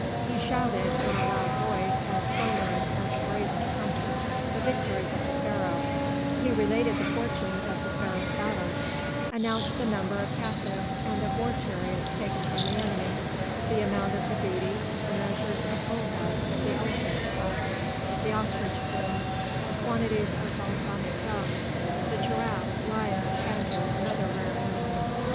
He shouted, in a loud voice as sonorous as a brazen trumpet, the victories of the Pharaoh; he related the fortunes of the Pharaoh's battles, announced the number of captives and of war chariots taken from the enemy, the amount of the booty, the measures of gold dust, the elephants' tusks, the ostrich plumes, the quantities of balsamic gum, the giraffes, lions, panthers, and other rare animals.